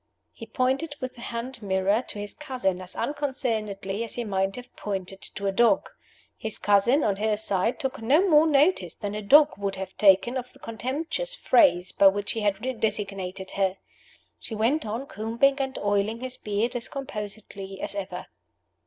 He pointed with the hand mirror to his cousin as unconcernedly as he might have pointed to a dog. His cousin, on her side, took no more notice than a dog would have taken of the contemptuous phrase by which he had designated her. She went on combing and oiling his beard as composedly as ever.